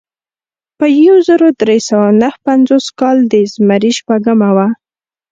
په یو زر درې سوه نهه پنځوس کال د زمري شپږمه وه.